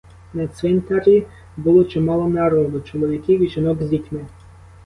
На цвинтарі було чимало народу, чоловіків і жінок з дітьми.